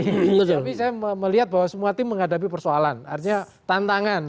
tapi saya melihat bahwa semua tim menghadapi persoalan artinya tantangan